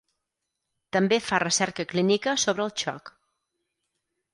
També fa recerca clínica sobre el xoc.